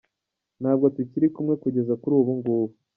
Ntabwo tukiri kumwe kugeza kuri ubu ngubu…”.